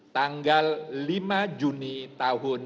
tanggal lima juni tahun dua ribu sembilan belas